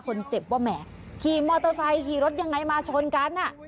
คนเจ็บว่าแหมขี่มอเตอร์ไซค์ขี่รถยังไงมาชนกันอ่ะ